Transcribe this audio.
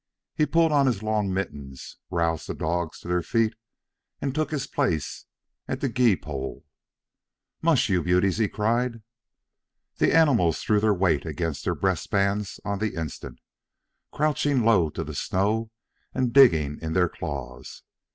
He pulled on his long mittens, roused the dogs to their feet, and took his Place at the gee pole. "Mush, you beauties!" he cried. The animals threw their weights against their breastbands on the instant, crouching low to the snow, and digging in their claws.